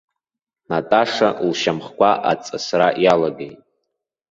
Наташа лшьамхқәа аҵысра иалагеит.